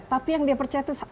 tapi yang dia percaya itu